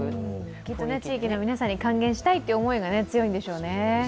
地域の皆さんに還元したいって思いが強いんでしょうね。